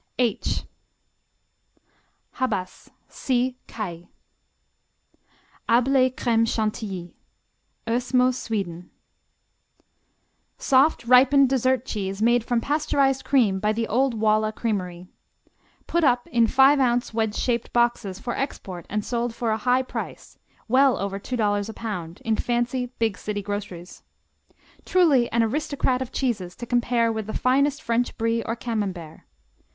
H Habas see Caille. Hablé Crème Chantilly Ösmo, Sweden Soft ripened dessert cheese made from pasteurized cream by the old Walla Creamery. Put up in five ounce wedge shaped boxes for export and sold for a high price, well over two dollars a pound, in fancy big city groceries. Truly an aristocrat of cheeses to compare with the finest French Brie or Camembert.